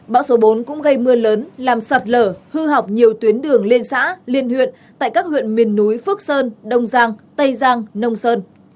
bão số bốn cũng gây mưa lớn làm sạt lở hư hỏng nhiều tuyến đường liên xã liên huyện tại các huyện miền núi phước sơn đông giang tây giang nông sơn